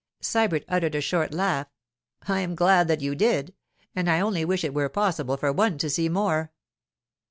Sybert uttered a short laugh. 'I am glad that you did; and I only wish it were possible for one to see more.